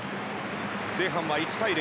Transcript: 前半は１対０